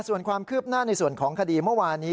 ส่วนความคืบหน้าในส่วนของคดีเมื่อวานี้